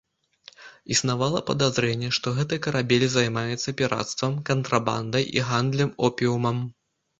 Існавала падазрэнне, што гэты карабель займаецца пірацтвам, кантрабандай і гандлем опіумам.